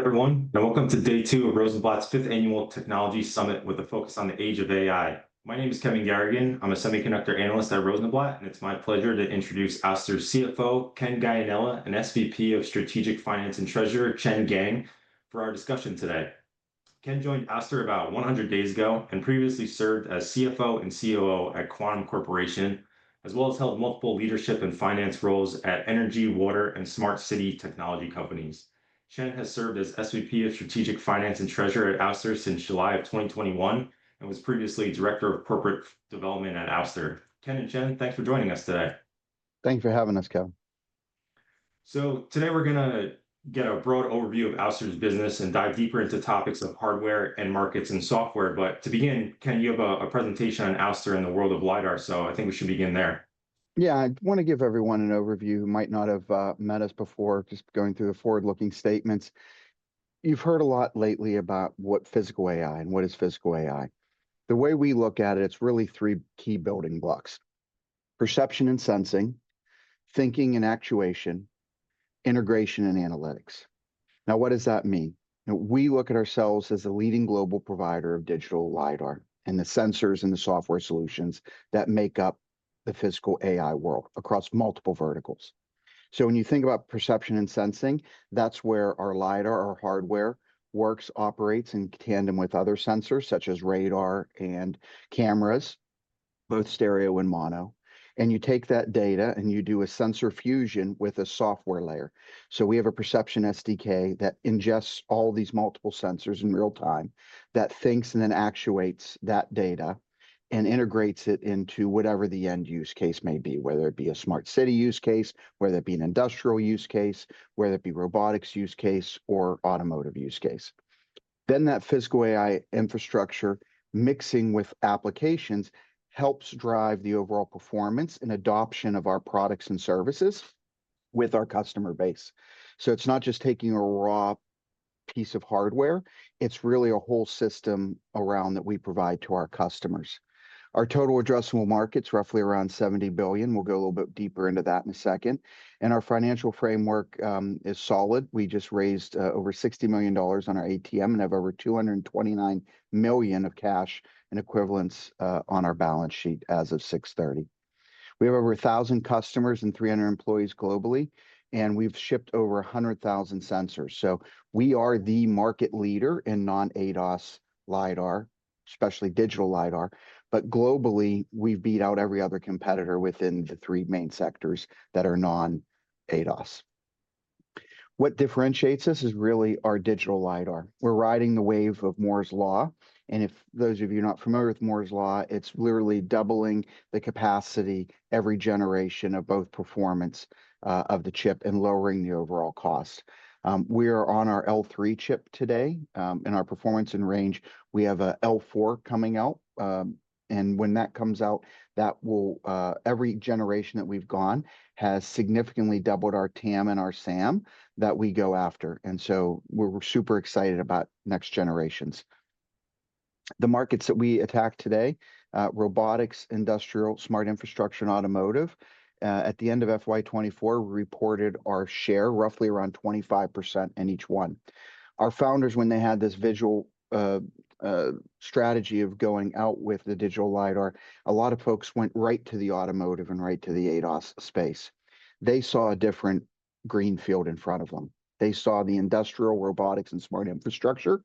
Everyone, and welcome to Day Two of Rosenblatt's Fifth Annual Technology Summit with a focus on the age of AI. My name is Kevin Garrigan. I'm a Semiconductor Analyst at Rosenblatt, and it's my pleasure to introduce Ouster's CFO, Ken Gianella, and SVP of Strategic Finance and Treasurer, Chen Geng, for our discussion today. Ken joined Ouster about 100 days ago and previously served as CFO and COO at Quantum Corporation, as well as held multiple leadership and finance roles at energy, water, and smart city technology companies. Chen has served as SVP of Strategic Finance and Treasury at Ouster since July of 2021 and was previously Director of Corporate Development at Ouster. Ken and Chen, thanks for joining us today. Thanks for having us, Kevin. Today we're going to get a broad overview of Ouster's business and dive deeper into topics of hardware and markets and software. To begin, Ken, you have a presentation on Ouster and the world of LiDAR, so I think we should begin there. Yeah, I want to give everyone an overview who might not have met us before, just going through the forward-looking statements. You've heard a lot lately about what physical AI and what is physical AI. The way we look at it, it's really three key building blocks: perception and sensing, thinking and actuation, integration and analytics. Now, what does that mean? We look at ourselves as the leading global provider of digital LiDAR and the sensors and the software solutions that make up the physical AI world across multiple verticals. When you think about perception and sensing, that's where our LiDAR, our hardware works, operates in tandem with other sensors such as radar and cameras, both stereo and mono. You take that data and you do a sensor fusion with a software layer. We have a Perception SDK that ingests all these multiple sensors in real time, that thinks and then actuates that data and integrates it into whatever the end use case may be, whether it be a smart city use case, an industrial use case, a robotics use case, or automotive use case. That physical AI infrastructure, mixing with applications, helps drive the overall performance and adoption of our products and services with our customer base. It's not just taking a raw piece of hardware, it's really a whole system around that we provide to our customers. Our total addressable market is roughly around $70 billion. We'll go a little bit deeper into that in a second. Our financial framework is solid. We just raised over $60 million on our ATM and have over $229 million of cash and equivalents on our balance sheet as of 6/30. We have over 1,000 customers and 300 employees globally, and we've shipped over 100,000 sensors. We are the market leader in non-ADAS LiDAR, especially digital LiDAR. Globally, we beat out every other competitor within the three main sectors that are non-ADAS. What differentiates us is really our digital LiDAR. We're riding the wave of Moore’s law. If those of you are not familiar with Moore’s law, it's literally doubling the capacity every generation of both performance of the chip and lowering the overall cost. We are on our L3 chip today in our performance and range. We have an L4 coming out. When that comes out, every generation that we've gone has significantly doubled our TAM and our SAM that we go after. We're super excited about next generations. The markets that we attack today: robotics, industrial, smart infrastructure, and automotive. At the end of FY 2024, we reported our share roughly around 25% in each one. Our founders, when they had this visual strategy of going out with the digital LiDAR, a lot of folks went right to the automotive and right to the ADAS space. They saw a different greenfield in front of them. They saw the industrial, robotics, and smart infrastructure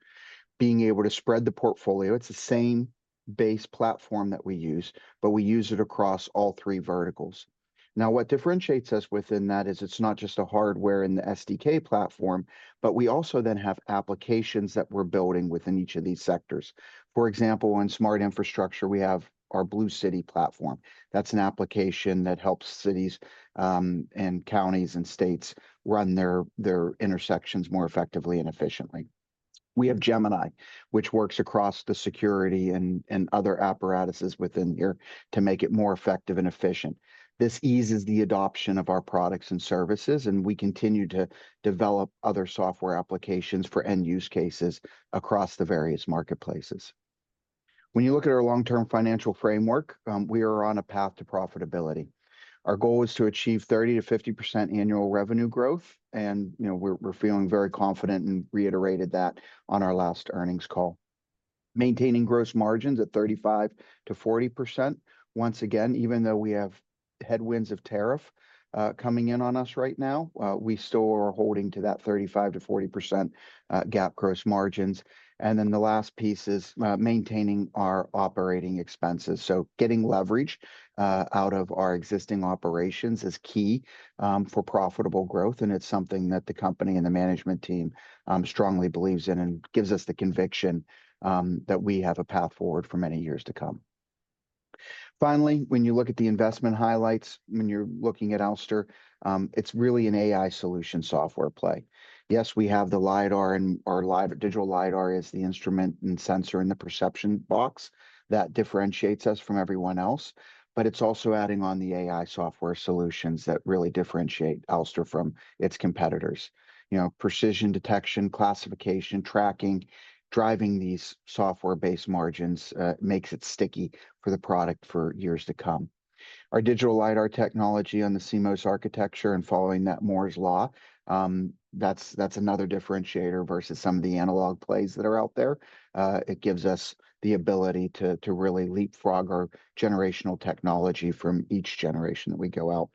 being able to spread the portfolio. It's the same base platform that we use, but we use it across all three verticals. What differentiates us within that is it's not just hardware in the SDK platform, but we also then have applications that we're building within each of these sectors. For example, in smart infrastructure, we have our Blue City platform. That's an application that helps cities and counties and states run their intersections more effectively and efficiently. We have Gemini, which works across the security and other apparatuses within here to make it more effective and efficient. This eases the adoption of our products and services, and we continue to develop other software applications for end use cases across the various marketplaces. When you look at our long-term financial framework, we are on a path to profitability. Our goal is to achieve 30%-50% annual revenue growth, and we're feeling very confident and reiterated that on our last earnings call. Maintaining gross margins at 35%-40%. Even though we have headwinds of tariff coming in on us right now, we still are holding to that 35%-40% gap gross margins. The last piece is maintaining our operating expenses. Getting leverage out of our existing operations is key for profitable growth, and it's something that the company and the management team strongly believes in and gives us the conviction that we have a path forward for many years to come. Finally, when you look at the investment highlights, when you're looking at Ouster, it's really an AI solution software play. Yes, we have the LiDAR, and our digital LiDAR is the instrument and sensor and the perception box that differentiates us from everyone else. It's also adding on the AI software solutions that really differentiate Ouster from its competitors. Precision detection, classification, tracking, driving these software-based margins makes it sticky for the product for years to come. Our digital LiDAR technology on the CMOS architecture and following that Moore’s law, that’s another differentiator versus some of the analog plays that are out there. It gives us the ability to really leapfrog our generational technology from each generation that we go out.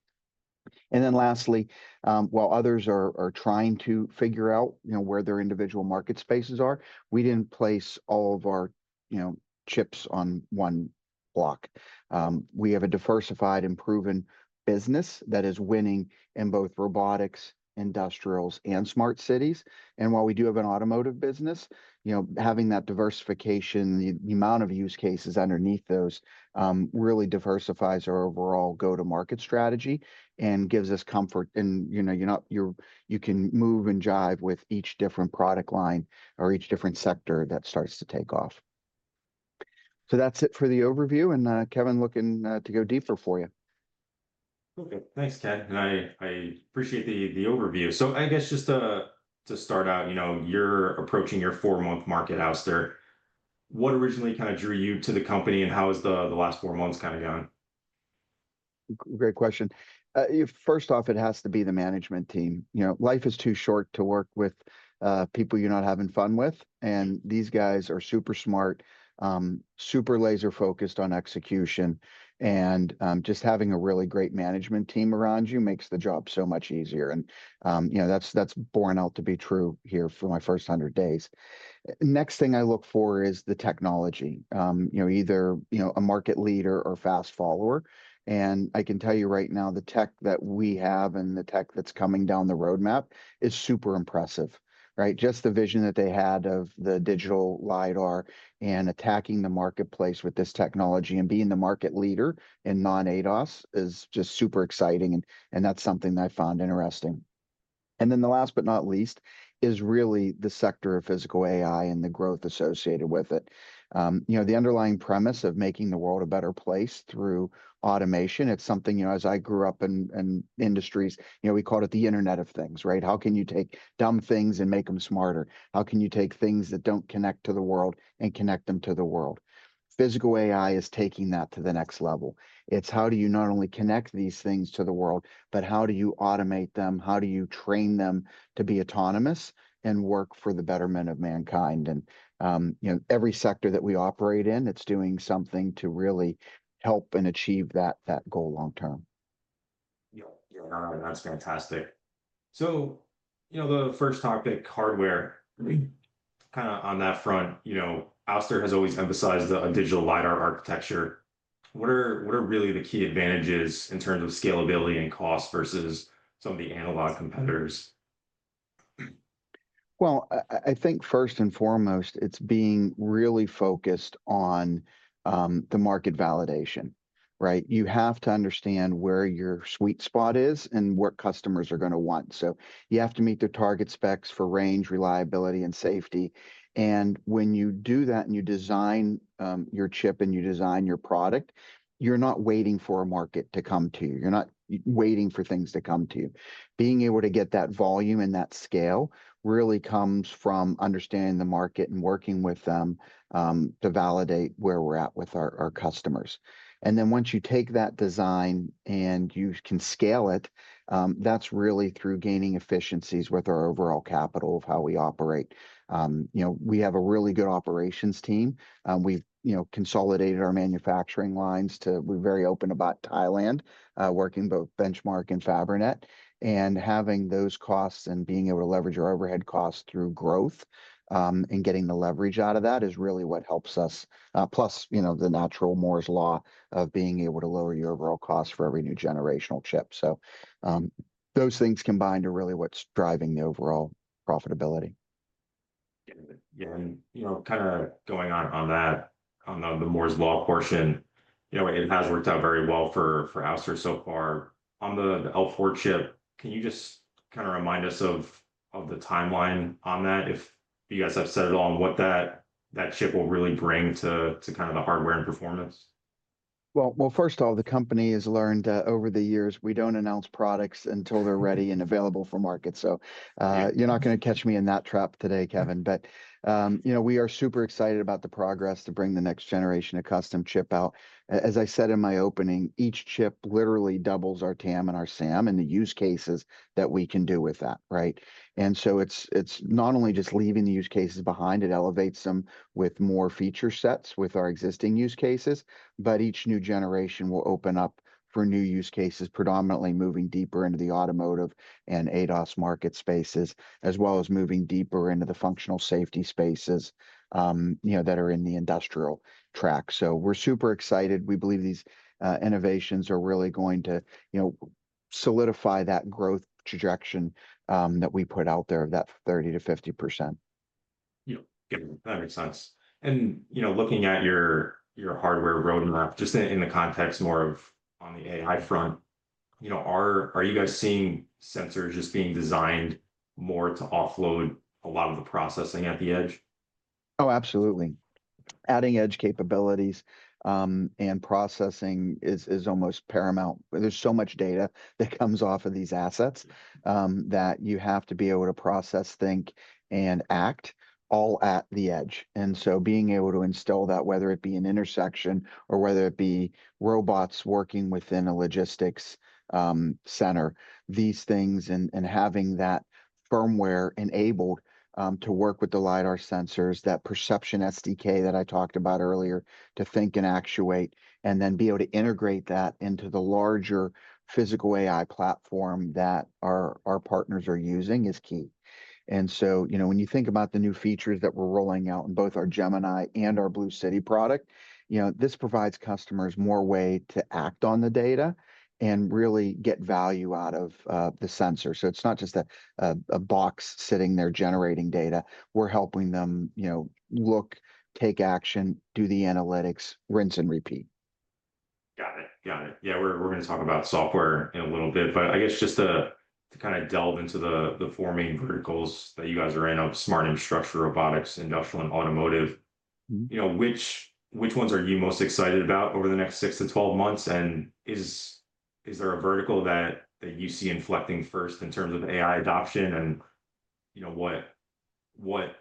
Lastly, while others are trying to figure out where their individual market spaces are, we didn’t place all of our chips on one block. We have a diversified and proven business that is winning in both robotics, industrials, and smart cities. While we do have an automotive business, having that diversification, the amount of use cases underneath those really diversifies our overall go-to-market strategy and gives us comfort. You can move and jive with each different product line or each different sector that starts to take off. That’s it for the overview, and Kevin looking to go deeper for you. Okay, thanks, Ken. I appreciate the overview. I guess just to start out, you know you're approaching your four-month mark at Ouster. What originally kind of drew you to the company, and how has the last four months kind of gone? Great question. First off, it has to be the management team. Life is too short to work with people you're not having fun with. These guys are super smart, super laser-focused on execution. Just having a really great management team around you makes the job so much easier. That's borne out to be true here for my first 100 days. Next thing I look for is the technology, either a market leader or fast follower. I can tell you right now, the tech that we have and the tech that's coming down the roadmap is super impressive. Just the vision that they had of the digital LiDAR and attacking the marketplace with this technology and being the market leader in non-ADAS is just super exciting. That's something that I found interesting. Last but not least is really the sector of physical AI and the growth associated with it. The underlying premise of making the world a better place through automation, it's something, as I grew up in industries, we called it the Internet of Things. How can you take dumb things and make them smarter? How can you take things that don't connect to the world and connect them to the world? Physical AI is taking that to the next level. It's how do you not only connect these things to the world, but how do you automate them? How do you train them to be autonomous and work for the betterment of mankind? Every sector that we operate in, it's doing something to really help and achieve that goal long term. Yeah, that's fantastic. The first topic, hardware, I think kind of on that front, Ouster has always emphasized the digital LiDAR architecture. What are really the key advantages in terms of scalability and cost versus some of the analog competitors? I think first and foremost, it's being really focused on the market validation, right? You have to understand where your sweet spot is and what customers are going to want. You have to meet the target specs for range, reliability, and safety. When you do that and you design your chip and you design your product, you're not waiting for a market to come to you. You're not waiting for things to come to you. Being able to get that volume and that scale really comes from understanding the market and working with them to validate where we're at with our customers. Once you take that design and you can scale it, that's really through gaining efficiencies with our overall capital of how we operate. We have a really good operations team. We've consolidated our manufacturing lines to, we're very open about Thailand, working both Benchmark and Fabernet. Having those costs and being able to leverage our overhead costs through growth and getting the leverage out of that is really what helps us. Plus, the natural Moore's law of being able to lower your overall cost for every new generational chip. Those things combined are really what's driving the overall profitability. Yeah, and you know, kind of going on that, on the Moore’s law portion, it has worked out very well for Ouster so far. On the L4 chip, can you just kind of remind us of the timeline on that? If you guys have set at all on what that chip will really bring to the hardware and performance? First of all, the company has learned that over the years, we don't announce products until they're ready and available for market. You're not going to catch me in that trap today, Kevin. You know, we are super excited about the progress to bring the next generation of custom chip out. As I said in my opening, each chip literally doubles our TAM and our SAM and the use cases that we can do with that, right? It's not only just leaving the use cases behind, it elevates them with more feature sets with our existing use cases, but each new generation will open up for new use cases, predominantly moving deeper into the automotive and ADAS market spaces, as well as moving deeper into the functional safety spaces that are in the industrial track. We are super excited. We believe these innovations are really going to solidify that growth trajectory that we put out there of that 30%-50%. Yeah, Kevin, that makes sense. Looking at your hardware roadmap, just in the context more of on the AI front, are you guys seeing sensors just being designed more to offload a lot of the processing at the edge? Oh, absolutely. Adding edge capabilities and processing is almost paramount. There's so much data that comes off of these assets that you have to be able to process, think, and act all at the edge. Being able to install that, whether it be an intersection or robots working within a logistics center, these things and having that firmware enabled to work with the LiDAR sensors, that Perception SDK that I talked about earlier, to think and actuate and then be able to integrate that into the larger physical AI platform that our partners are using is key. When you think about the new features that we're rolling out in both our Gemini and our Blue City product, this provides customers more way to act on the data and really get value out of the sensor. It's not just a box sitting there generating data. We're helping them look, take action, do the analytics, rinse and repeat. Got it, got it. Yeah, we're going to talk about software in a little bit, but I guess just to kind of delve into the four main verticals that you guys are in, smart infrastructure, robotics, industrial, and automotive, which ones are you most excited about over the next 6-12 months? Is there a vertical that you see inflecting first in terms of AI adoption? What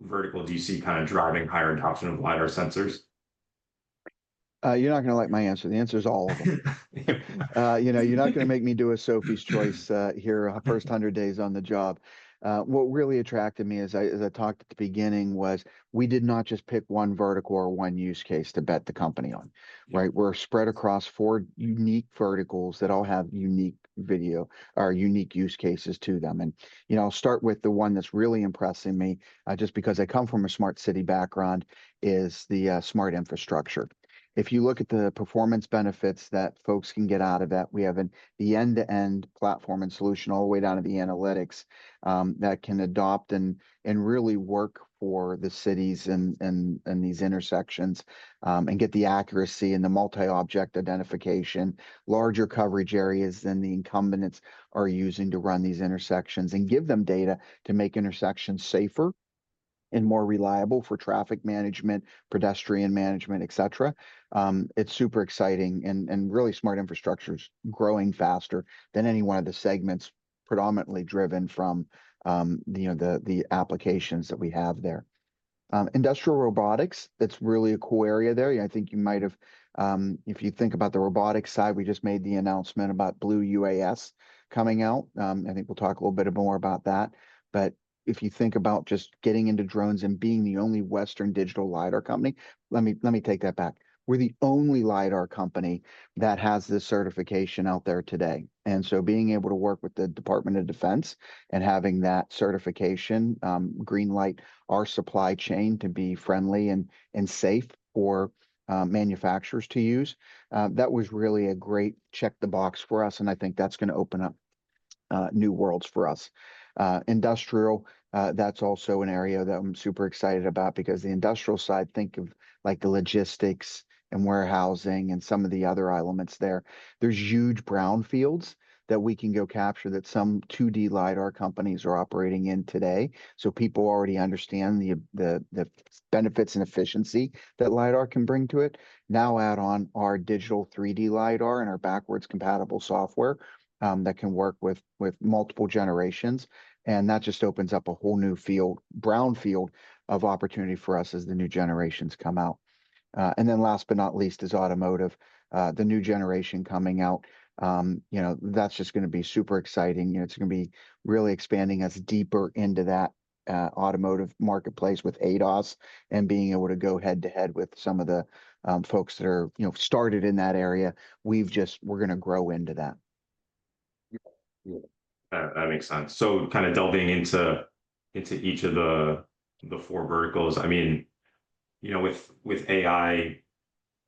vertical do you see kind of driving higher adoption of LiDAR sensors? You're not going to like my answer. The answer is all of them. You're not going to make me do a Sophie's Choice here the first 100 days on the job. What really attracted me as I talked at the beginning was we did not just pick one vertical or one use case to bet the company on. We're spread across four unique verticals that all have unique video, our unique use cases to them. I'll start with the one that's really impressing me just because I come from a smart city background, which is the smart infrastructure. If you look at the performance benefits that folks can get out of that, we have the end-to-end platform and solution all the way down to the analytics that can adopt and really work for the cities and these intersections and get the accuracy and the multi-object identification, larger coverage areas than the incumbents are using to run these intersections and give them data to make intersections safer and more reliable for traffic management, pedestrian management, etc. It's super exciting and really smart infrastructure is growing faster than any one of the segments, predominantly driven from the applications that we have there. Industrial robotics is really a cool area. If you think about the robotics side, we just made the announcement about Blue UAS coming out. I think we'll talk a little bit more about that. If you think about just getting into drones and being the only Western digital LiDAR company, let me take that back. We're the only LiDAR company that has this certification out there today. Being able to work with the Department of Defense and having that certification greenlight our supply chain to be friendly and safe for manufacturers to use, that was really a great check the box for us. I think that's going to open up new worlds for us. Industrial is also an area that I'm super excited about because the industrial side, think of like the logistics and warehousing and some of the other elements there. There's huge brownfields that we can go capture that some 2D LiDAR companies are operating in today. People already understand the benefits and efficiency that LiDAR can bring to it. Now add on our digital 3D LiDAR and our backwards compatible software that can work with multiple generations. That just opens up a whole new field, brownfield of opportunity for us as the new generations come out. Last but not least is automotive, the new generation coming out. That's just going to be super exciting. It's going to be really expanding us deeper into that automotive marketplace with ADAS and being able to go head-to-head with some of the folks that started in that area. We're going to grow into that. That makes sense. Kind of delving into each of the four verticals, I mean, with AI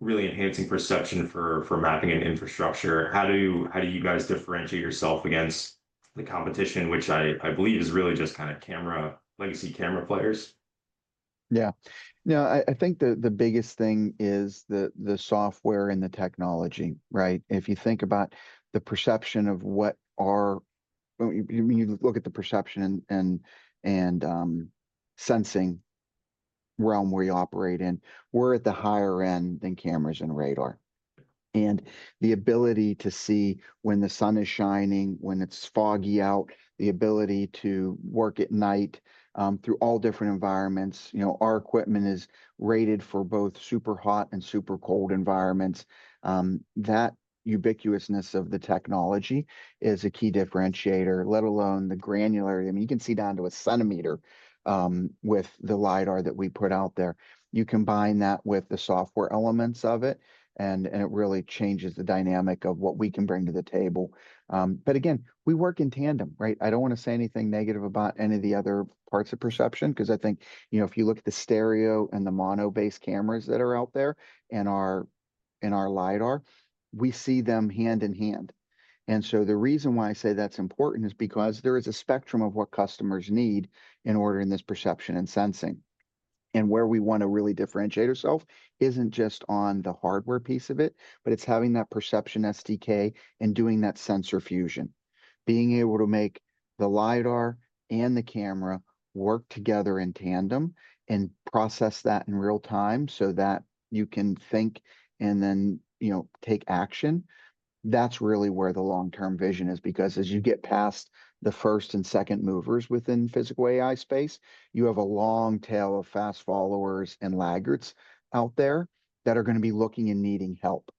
really enhancing perception for mapping and infrastructure, how do you guys differentiate yourself against the competition, which I believe is really just kind of legacy camera players? Yeah, you know, I think the biggest thing is the software and the technology, right? If you think about the perception of what our, when you look at the perception and sensing realm where you operate in, we're at the higher end than cameras and radar. The ability to see when the sun is shining, when it's foggy out, the ability to work at night through all different environments, our equipment is rated for both super hot and super cold environments. That ubiquitousness of the technology is a key differentiator, let alone the granularity. I mean, you can see down to a centimeter with the LiDAR that we put out there. You combine that with the software elements of it, and it really changes the dynamic of what we can bring to the table. We work in tandem, right? I don't want to say anything negative about any of the other parts of perception because I think, you know, if you look at the stereo and the mono base cameras that are out there and our LiDAR, we see them hand in hand. The reason why I say that's important is because there is a spectrum of what customers need in ordering this perception and sensing. Where we want to really differentiate ourselves isn't just on the hardware piece of it, but it's having that Perception SDK and doing that sensor fusion. Being able to make the LiDAR and the camera work together in tandem and process that in real time so that you can think and then, you know, take action. That's really where the long-term vision is because as you get past the first and second movers within physical AI space, you have a long tail of fast followers and laggards out there that are going to be looking and needing help.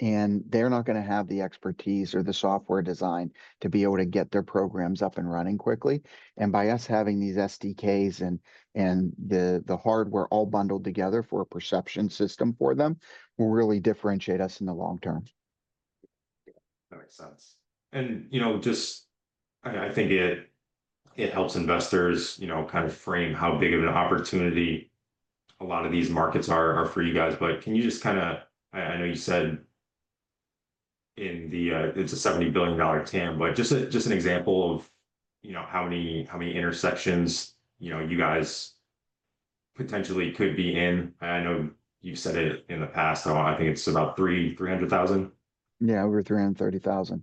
They're not going to have the expertise or the software design to be able to get their programs up and running quickly. By us having these SDKs and the hardware all bundled together for a perception system for them, we'll really differentiate us in the long term. That makes sense. I think it helps investors kind of frame how big of an opportunity a lot of these markets are for you guys. Can you just kind of, I know you said it's a $70 billion TAM, but just an example of how many intersections you guys potentially could be in? I know you've said it in the past, so I think it's about $300,000. Yeah, over $330,000.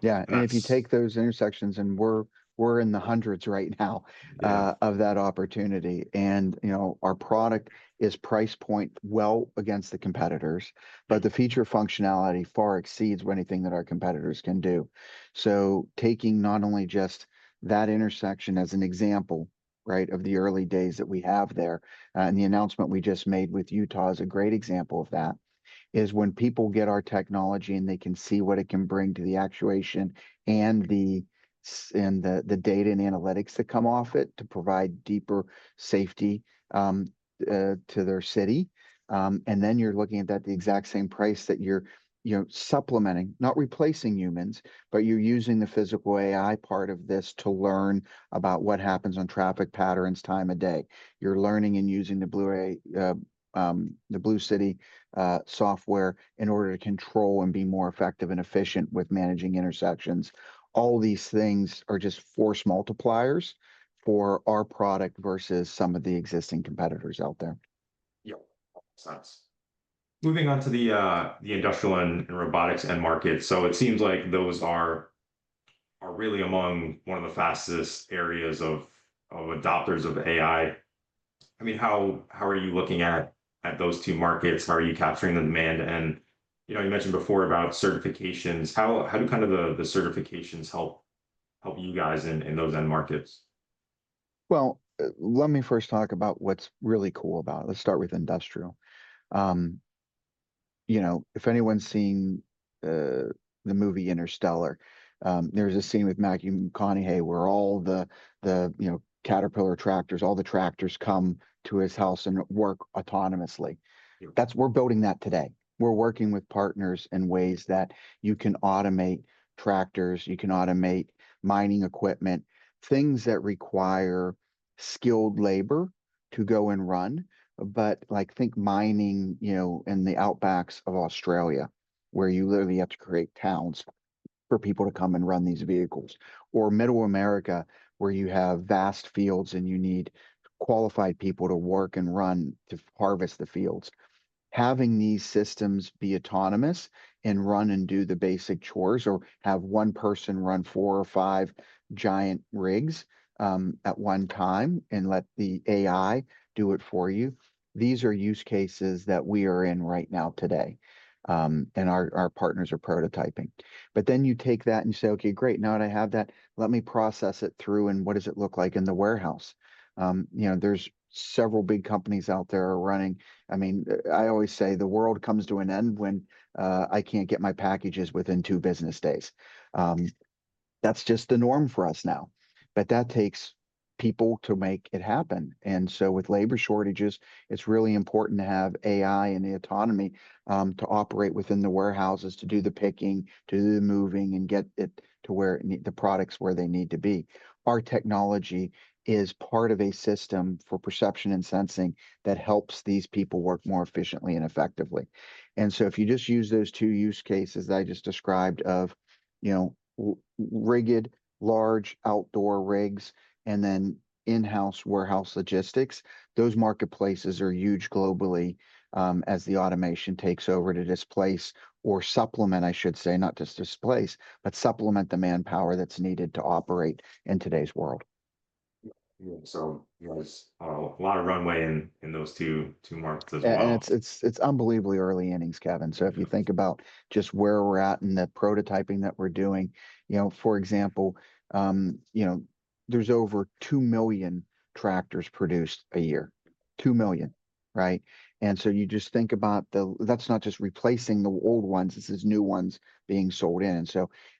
Yeah, and if you take those intersections and we're in the hundreds right now of that opportunity, and our product is price point well against the competitors, but the feature functionality far exceeds anything that our competitors can do. Taking not only just that intersection as an example of the early days that we have there, the announcement we just made with Utah is a great example of that. When people get our technology and they can see what it can bring to the actuation and the data and analytics that come off it to provide deeper safety to their city, you're looking at that at the exact same price that you're supplementing, not replacing humans, but you're using the physical AI part of this to learn about what happens on traffic patterns, time of day. You're learning and using the Blue City software in order to control and be more effective and efficient with managing intersections. All these things are just force multipliers for our product versus some of the existing competitors out there. Moving on to the industrial and robotics end market. It seems like those are really among one of the fastest areas of adopters of AI. I mean, how are you looking at those two markets? How are you capturing the demand? You mentioned before about certifications. How do the certifications help you guys in those end markets? Let me first talk about what's really cool about it. Let's start with industrial. You know, if anyone's seen the movie Interstellar, there's a scene with Matthew McConaughey where all the, you know, Caterpillar tractors, all the tractors come to his house and work autonomously. That's what we're building today. We're working with partners in ways that you can automate tractors, you can automate mining equipment, things that require skilled labor to go and run. Think mining, you know, in the outbacks of Australia where you literally have to create towns for people to come and run these vehicles, or middle America where you have vast fields and you need qualified people to work and run to harvest the fields. Having these systems be autonomous and run and do the basic chores or have one person run four or five giant rigs at one time and let the AI do it for you. These are use cases that we are in right now today, and our partners are prototyping. You take that and you say, okay, great, now that I have that, let me process it through and what does it look like in the warehouse? There are several big companies out there running. I always say the world comes to an end when I can't get my packages within two business days. That's just the norm for us now. That takes people to make it happen. With labor shortages, it's really important to have AI and the autonomy to operate within the warehouses, to do the picking, to do the moving, and get it to where the products need to be. Our technology is part of a system for perception and sensing that helps these people work more efficiently and effectively. If you just use those two use cases that I just described of rigid, large outdoor rigs and then in-house warehouse logistics, those marketplaces are huge globally as the automation takes over to displace or supplement, I should say, not just displace, but supplement the manpower that's needed to operate in today's world. Yeah, there's a lot of runway in those two years as well. It's unbelievably early innings, Kevin. If you think about just where we're at in that prototyping that we're doing, for example, there's over 2 million tractors produced a year. 2 million, right? You just think about that's not just replacing the old ones, it's these new ones being sold in.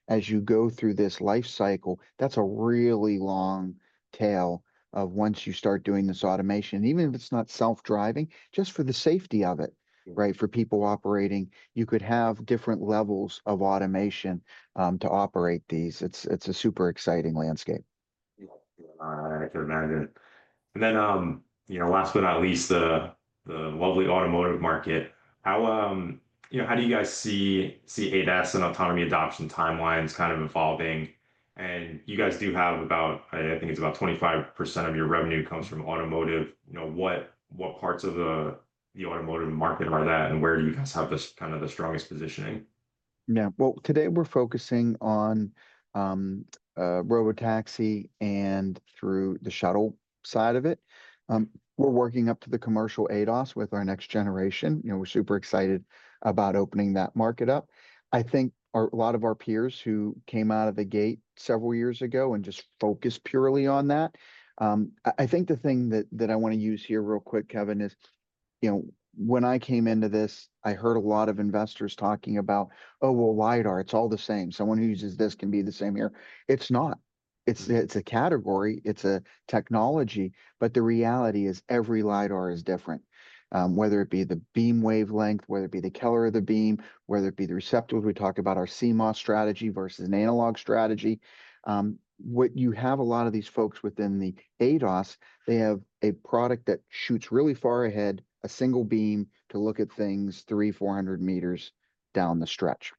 As you go through this life cycle, that's a really long tail of once you start doing this automation, even if it's not self-driving, just for the safety of it, right? For people operating, you could have different levels of automation to operate these. It's a super exciting landscape. I can imagine. Last but not least, the lovely automotive market. How do you guys see ADAS and autonomy adoption timelines kind of evolving? You guys do have about, I think it's about 25% of your revenue comes from automotive. What parts of the automotive market are that, and where do you guys have this kind of the strongest positioning? Yeah, today we're focusing on Robotaxi and through the shuttle side of it. We're working up to the commercial ADAS with our next generation. You know, we're super excited about opening that market up. I think a lot of our peers who came out of the gate several years ago and just focused purely on that. I think the thing that I want to use here real quick, Kevin, is, you know, when I came into this, I heard a lot of investors talking about, oh, LiDAR, it's all the same. Someone who uses this can be the same here. It's not. It's a category, it's a technology, but the reality is every LiDAR is different. Whether it be the beam wavelength, whether it be the killer of the beam, whether it be the receptacle, we talk about our CMOS-based digital LiDAR architecture strategy versus an analog strategy. What you have a lot of these folks within the ADAS, they have a product that shoots really far ahead, a single beam to look at things 300 m, 400 me down the stretch.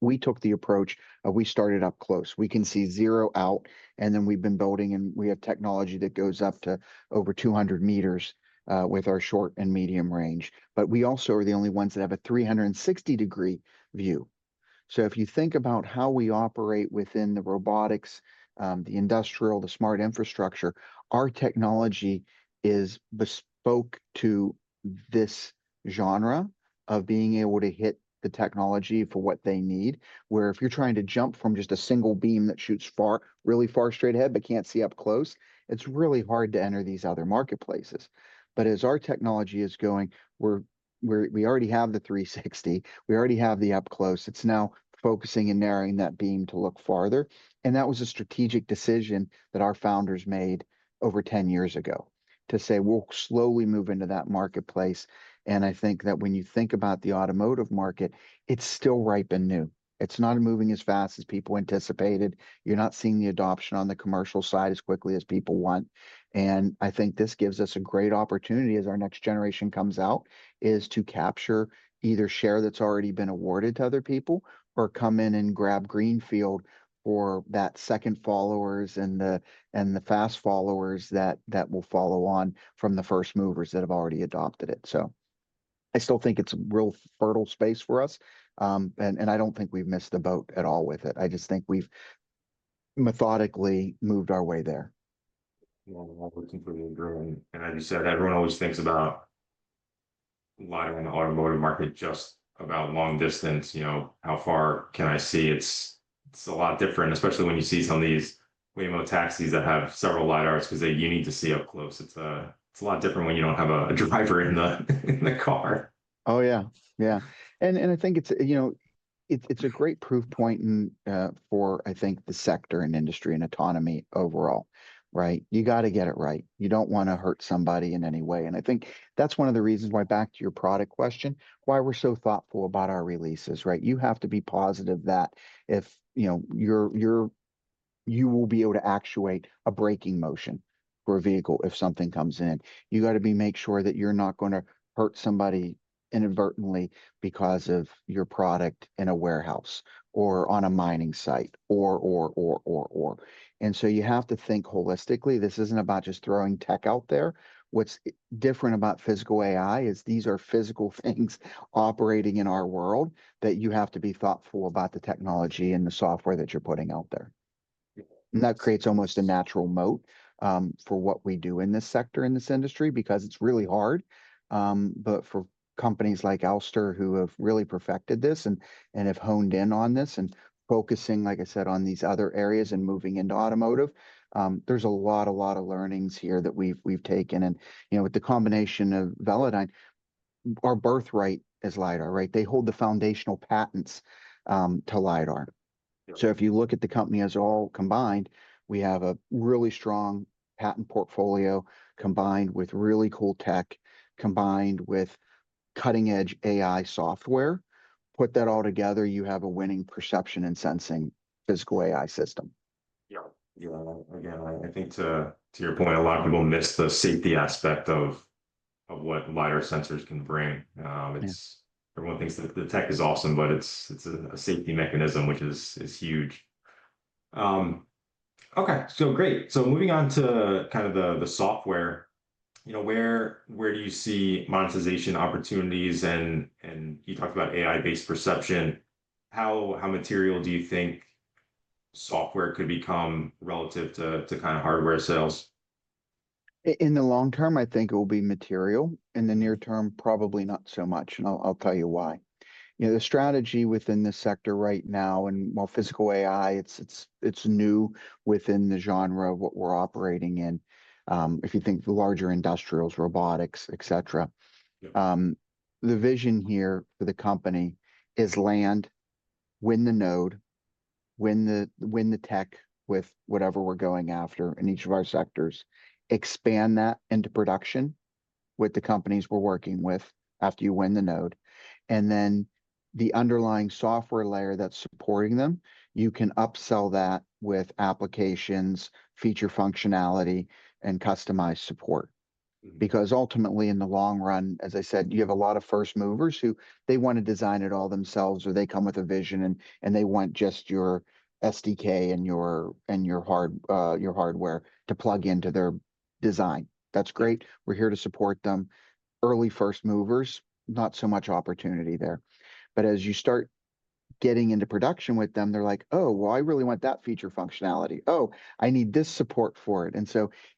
We took the approach of we started up close. We can see zero out, and then we've been building, and we have technology that goes up to over 200 m with our short and medium range. We also are the only ones that have a 360-degree view. If you think about how we operate within the robotics, the industrial, the smart infrastructure, our technology is bespoke to this genre of being able to hit the technology for what they need, where if you're trying to jump from just a single beam that shoots really far straight ahead but can't see up close, it's really hard to enter these other marketplaces. As our technology is going, we already have the 360, we already have the up close, it's now focusing and narrowing that beam to look farther. That was a strategic decision that our founders made over 10 years ago to say we'll slowly move into that marketplace. I think that when you think about the automotive market, it's still ripe and new. It's not moving as fast as people anticipated. You're not seeing the adoption on the commercial side as quickly as people want. I think this gives us a great opportunity as our next generation comes out, to capture either share that's already been awarded to other people or come in and grab greenfield or that second followers and the fast followers that will follow on from the first movers that have already adopted it. I still think it's a real fertile space for us. I don't think we've missed the boat at all with it. I just think we've methodically moved our way there. Yeah, the market's keeping growing. I just said everyone always thinks about LiDAR in the automotive market just about long distance. You know, how far can I see? It's a lot different, especially when you see some of these Waymo taxis that have several LiDARs because you need to see up close. It's a lot different when you don't have a driver in the car. Yeah, I think it's a great proof point for the sector and industry and autonomy overall, right? You got to get it right. You don't want to hurt somebody in any way. I think that's one of the reasons why, back to your product question, we're so thoughtful about our releases, right? You have to be positive that you will be able to actuate a braking motion for a vehicle if something comes in. You got to make sure that you're not going to hurt somebody inadvertently because of your product in a warehouse or on a mining site. You have to think holistically. This isn't about just throwing tech out there. What's different about physical AI is these are physical things operating in our world that you have to be thoughtful about the technology and the software that you're putting out there. That creates almost a natural moat for what we do in this sector, in this industry, because it's really hard. For companies like Ouster who have really perfected this and have honed in on this and focusing, like I said, on these other areas and moving into automotive, there's a lot of learnings here that we've taken. With the combination of Velodyne, our birthright is LiDAR, right? They hold the foundational patents to LiDAR. If you look at the company as a whole combined, we have a really strong patent portfolio combined with really cool tech, combined with cutting-edge AI software. Put that all together, you have a winning perception and sensing physical AI system. Yeah, again, I think to your point, a lot of people miss the safety aspect of what LiDAR sensors can bring. Everyone thinks that the tech is awesome, but it's a safety mechanism, which is huge. Okay, great. Moving on to kind of the software, you know, where do you see monetization opportunities? You talked about AI-based perception. How material do you think software could become relative to kind of hardware sales? In the long term, I think it will be material. In the near term, probably not so much. I'll tell you why. The strategy within this sector right now and more physical AI, it's new within the genre of what we're operating in. If you think of the larger industrials, robotics, et cetera, the vision here for the company is land, win the node, win the tech with whatever we're going after in each of our sectors, expand that into production with the companies we're working with after you win the node. The underlying software layer that's supporting them, you can upsell that with applications, feature functionality, and customized support. Ultimately, in the long run, as I said, you have a lot of first movers who want to design it all themselves or they come with a vision and they want just your SDK and your hardware to plug into their design. That's great. We're here to support them. Early first movers, not so much opportunity there. As you start getting into production with them, they're like, oh, I really want that feature functionality. Oh, I need this support for it.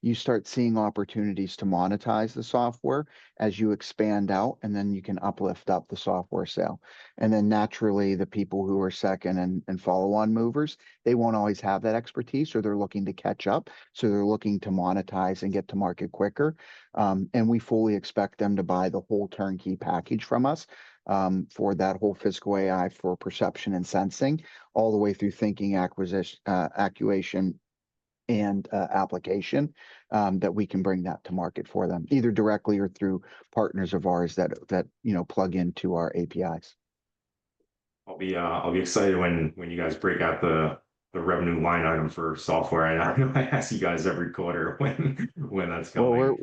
You start seeing opportunities to monetize the software as you expand out, and then you can uplift up the software sale. Naturally, the people who are second and follow-on movers, they won't always have that expertise or they're looking to catch up. They're looking to monetize and get to market quicker. We fully expect them to buy the whole turnkey package from us for that whole physical AI for perception and sensing all the way through thinking, acquisition, and application that we can bring that to market for them, either directly or through partners of ours that plug into our APIs. I'll be excited when you guys break out the revenue line item for software. I'm going to ask you guys every quarter when that's coming. Our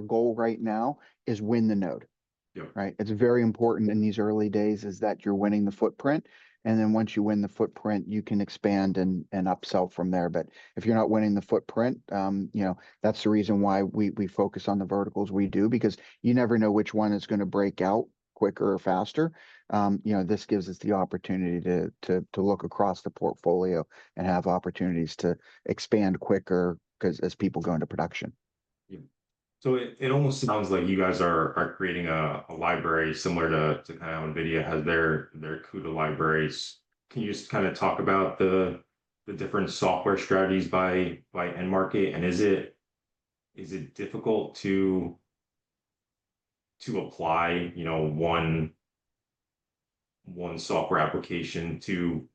goal right now is win the node. Right? It's very important in these early days that you're winning the footprint, and then once you win the footprint, you can expand and upsell from there. If you're not winning the footprint, that's the reason why we focus on the verticals we do, because you never know which one is going to break out quicker or faster. This gives us the opportunity to look across the portfolio and have opportunities to expand quicker because as people go into production. Yeah. It almost sounds like you guys are creating a library similar to how NVIDIA has their CUDA libraries. Can you just kind of talk about the different software strategies by end market? Is it difficult to apply, you know, one software application to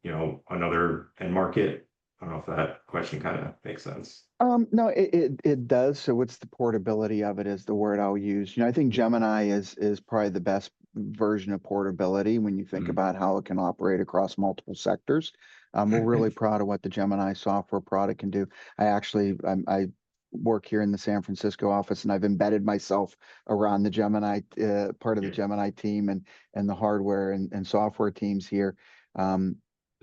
another end market? I don't know if that question kind of makes sense. No, it does. What's the portability of it is the word I'll use. I think Gemini is probably the best version of portability when you think about how it can operate across multiple sectors. We're really proud of what the Gemini software product can do. I actually work here in the San Francisco office and I've embedded myself around the Gemini part of the Gemini team and the hardware and software teams here.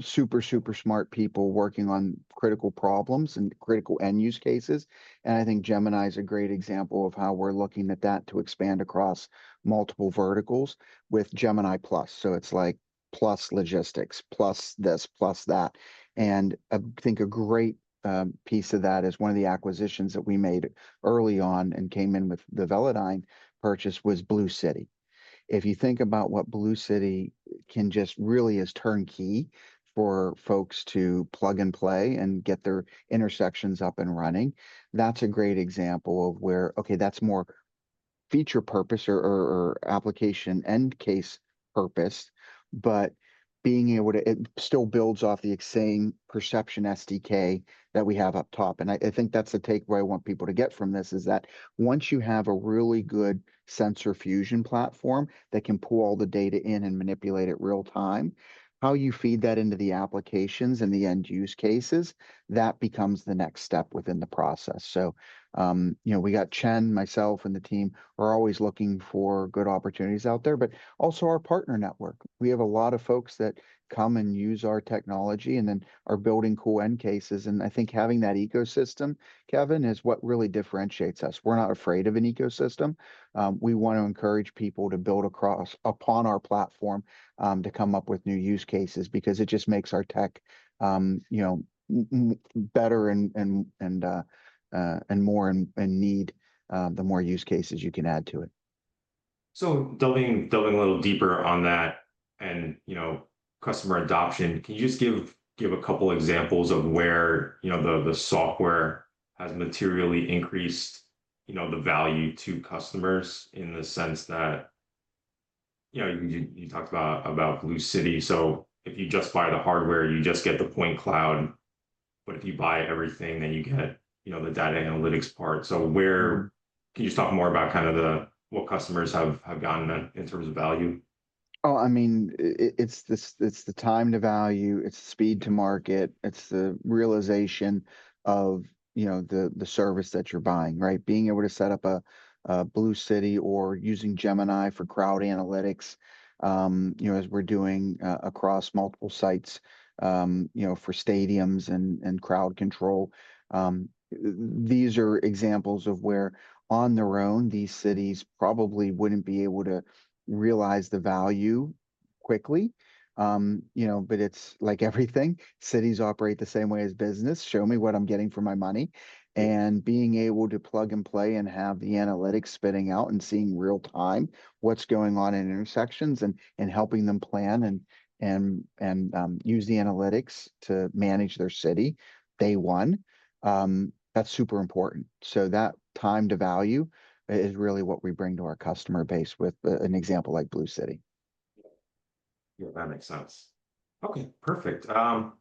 Super, super smart people working on critical problems and critical end use cases. I think Gemini is a great example of how we're looking at that to expand across multiple verticals with Gemini+. It's like plus logistics, plus this, plus that. I think a great piece of that is one of the acquisitions that we made early on and came in with the Velodyne purchase was Blue City. If you think about what Blue City can just really is turnkey for folks to plug and play and get their intersections up and running, that's a great example of where, okay, that's more feature purpose or application end case purpose. Being able to, it still builds off the same Perception SDK that we have up top. I think that's the takeaway I want people to get from this is that once you have a really good sensor fusion platform that can pull all the data in and manipulate it real time, how you feed that into the applications and the end use cases, that becomes the next step within the process. We got Chen, myself, and the team are always looking for good opportunities out there, but also our partner network. We have a lot of folks that come and use our technology and then are building cool end cases. I think having that ecosystem, Kevin, is what really differentiates us. We're not afraid of an ecosystem. We want to encourage people to build across upon our platform to come up with new use cases because it just makes our tech better and more in need the more use cases you can add to it. Delving a little deeper on that and, you know, customer adoption, can you just give a couple of examples of where, you know, the software has materially increased, you know, the value to customers in the sense that, you know, you talked about Blue City? If you just buy the hardware, you just get the point cloud, but if you buy everything, then you get, you know, the data analytics part. Where can you just talk more about kind of what customers have gotten in terms of value? Oh, I mean, it's the time to value, it's speed to market, it's the realization of, you know, the service that you're buying, right? Being able to set up a Blue City or using Gemini for crowd analytics, you know, as we're doing across multiple sites, for stadiums and crowd control. These are examples of where on their own, these cities probably wouldn't be able to realize the value quickly. Cities operate the same way as business. Show me what I'm getting for my money. Being able to plug and play and have the analytics spitting out and seeing real time what's going on in intersections and helping them plan and use the analytics to manage their city day one, that's super important. That time to value is really what we bring to our customer base with an example like Blue City. Yeah, that makes sense. Okay, perfect. I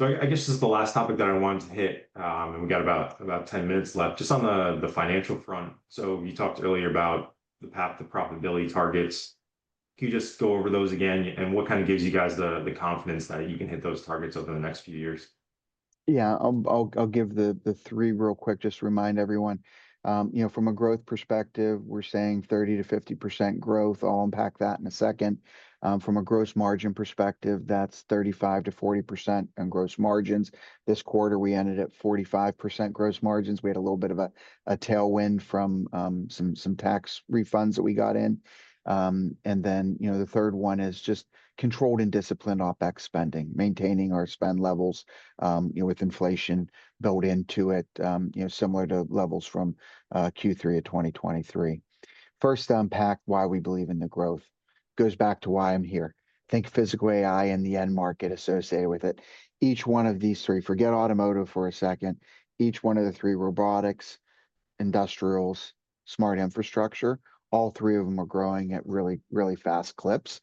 guess this is the last topic that I wanted to hit, and we got about 10 minutes left, just on the financial front. You talked earlier about the path to profitability targets. Can you just go over those again and what kind of gives you guys the confidence that you can hit those targets over the next few years? Yeah, I'll give the three real quick, just to remind everyone. You know, from a growth perspective, we're saying 30%-50% growth. I'll unpack that in a second. From a gross margin perspective, that's 35%-40% in gross margins. This quarter, we ended at 45% gross margins. We had a little bit of a tailwind from some tax refunds that we got in. Then, you know, the third one is just controlled and disciplined OpEx spending, maintaining our spend levels, you know, with inflation built into it, you know, similar to levels from Q3 of 2023. First, to unpack why we believe in the growth, goes back to why I'm here. Think physical AI and the end market associated with it. Each one of these three, forget automotive for a second, each one of the three, robotics, industrials, smart infrastructure, all three of them are growing at really, really fast clips.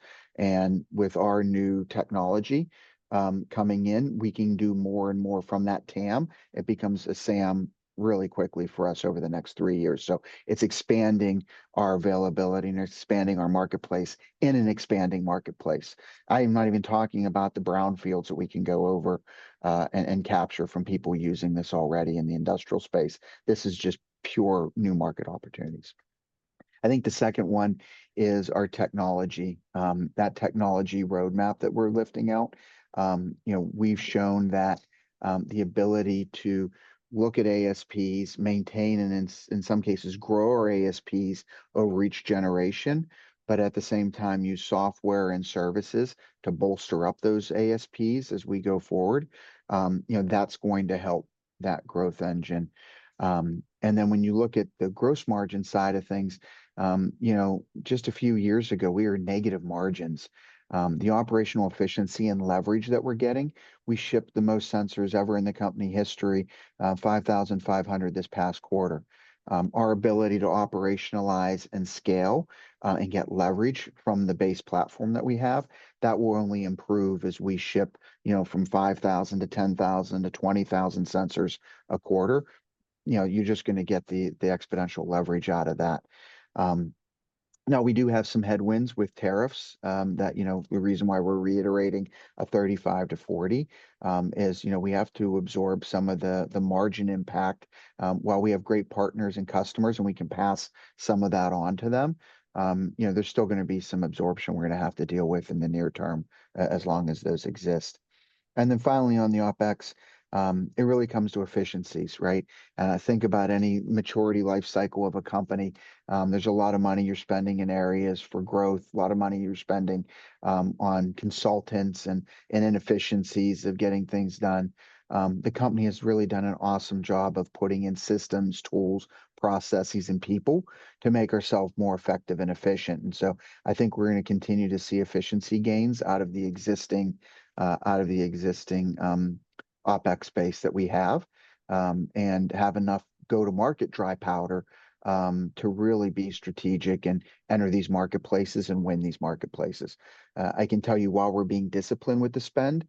With our new technology coming in, we can do more and more from that total addressable market. It becomes a serviceable addressable market really quickly for us over the next three years. It's expanding our availability and expanding our marketplace in an expanding marketplace. I'm not even talking about the brownfields that we can go over and capture from people using this already in the industrial space. This is just pure new market opportunities. I think the second one is our technology, that technology roadmap that we're lifting out. You know, we've shown that the ability to look at ASPs, maintain and in some cases grow our ASPs over each generation, but at the same time use software and services to bolster up those ASPs as we go forward. You know, that's going to help that growth engine. When you look at the gross margin side of things, you know, just a few years ago, we were negative margins. The operational efficiency and leverage that we're getting, we shipped the most sensors ever in the company history, 5,500 this past quarter. Our ability to operationalize and scale and get leverage from the base platform that we have, that will only improve as we ship, you know, from 5,000 to 10,000 to 20,000 sensors a quarter. You're just going to get the exponential leverage out of that. Now, we do have some headwinds with tariffs that, you know, the reason why we're reiterating a 35%-40% is, you know, we have to absorb some of the margin impact. While we have great partners and customers and we can pass some of that on to them, there's still going to be some absorption we're going to have to deal with in the near term as long as those exist. Finally, on the OpEx, it really comes to efficiencies, right? I think about any maturity life cycle of a company, there's a lot of money you're spending in areas for growth, a lot of money you're spending on consultants and inefficiencies of getting things done. The company has really done an awesome job of putting in systems, tools, processes, and people to make ourselves more effective and efficient. I think we're going to continue to see efficiency gains out of the existing OpEx space that we have and have enough go-to-market dry powder to really be strategic and enter these marketplaces and win these marketplaces. I can tell you while we're being disciplined with the spend,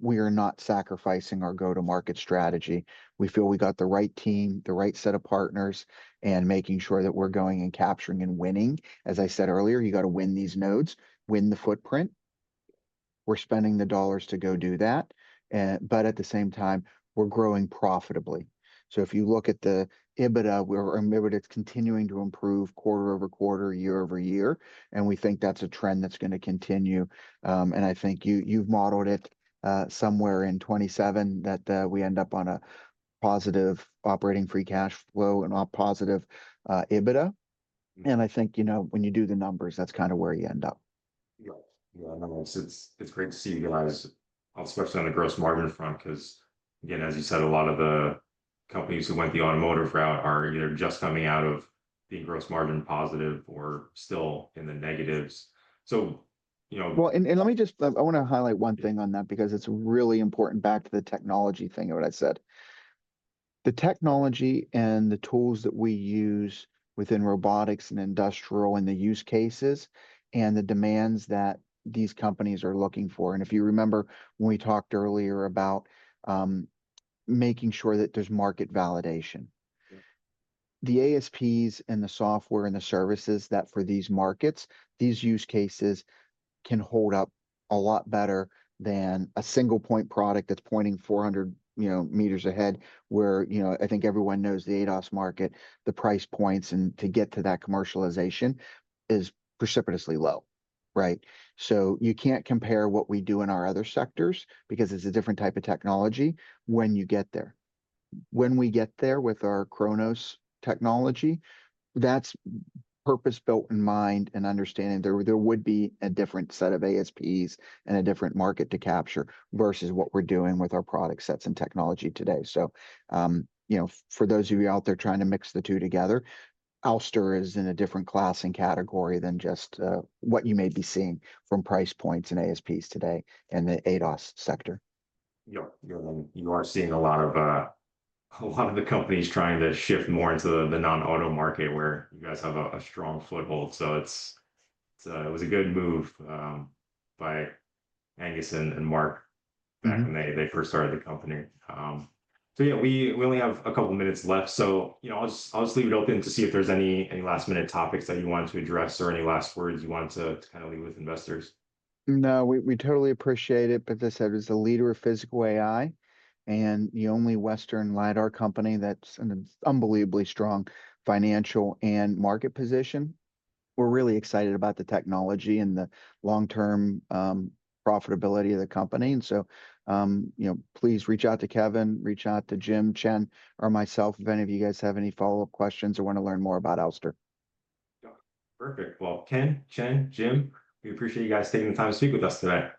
we are not sacrificing our go-to-market strategy. We feel we got the right team, the right set of partners, and making sure that we're going and capturing and winning. As I said earlier, you got to win these nodes, win the footprint. We're spending the dollars to go do that. At the same time, we're growing profitably. If you look at the EBITDA, our EBITDA is continuing to improve quarter-over-quarter, year-over-year. We think that's a trend that's going to continue. I think you've modeled it somewhere in 2027 that we end up on a positive operating free cash flow and a positive EBITDA. I think, you know, when you do the numbers, that's kind of where you end up. Yeah, it's great to see you guys. I'll switch to the gross margin front because, again, as you said, a lot of the companies who went the automotive route are either just coming out of being gross margin positive or still in the negatives. You know. I want to highlight one thing on that because it's really important back to the technology thing of what I said. The technology and the tools that we use within robotics and industrial and the use cases and the demands that these companies are looking for. If you remember when we talked earlier about making sure that there's market validation, the ASPs and the software and the services for these markets, these use cases can hold up a lot better than a single point product that's pointing 400 m ahead, where, you know, I think everyone knows the ADAS market, the price points and to get to that commercialization is precipitously low, right? You can't compare what we do in our other sectors because it's a different type of technology when you get there. When we get there with our Kronos Technology, that's purpose-built in mind and understanding there would be a different set of ASPs and a different market to capture versus what we're doing with our product sets and technology today. For those of you out there trying to mix the two together, Ouster is in a different class and category than just what you may be seeing from price points and ASPs today in the ADAS sector. Yeah, you are seeing a lot of the companies trying to shift more into the non-auto market where you guys have a strong foothold. It was a good move by Angus and Mark back when they first started the company. We only have a couple of minutes left, so I'll just leave it open to see if there's any last minute topics that you wanted to address or any last words you want to kind of leave with investors. No, we totally appreciate it. This is a leader of physical AI and the only Western LiDAR company that's in an unbelievably strong financial and market position. We're really excited about the technology and the long-term profitability of the company. Please reach out to Kevin, reach out to Jim, Chen, or myself if any of you guys have any follow-up questions or want to learn more about Ouster. Perfect. Ken, Chen, Jim, we appreciate you guys taking the time to speak with us today. Thanks.